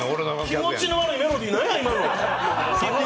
気持ちの悪いメロディー、何今の！